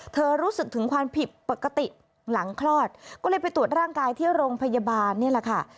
รู้สึกถึงความผิดปกติหลังคลอดก็เลยไปตรวจร่างกายที่โรงพยาบาลนี่แหละค่ะ